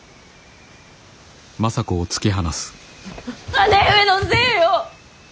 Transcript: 姉上のせいよ！